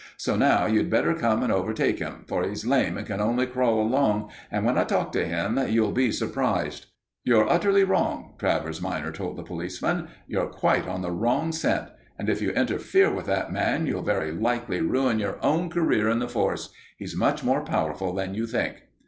So now you'd better come and overtake him, for he's lame and can only crawl along. And when I talk to him, you'll be surprised." "You're utterly wrong," Travers minor told the policeman. "You're quite on the wrong scent, and if you interfere with that man, you'll very likely ruin your own career in the Force. He's much more powerful than you think."